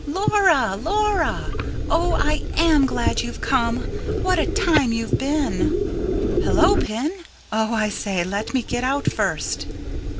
"Laura, Laura! Oh, I AM glad you've come. What a time you've been!" "Hullo, Pin. Oh, I say, let me get out first."